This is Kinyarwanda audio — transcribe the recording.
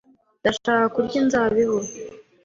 Ndashaka kurya inzabibu.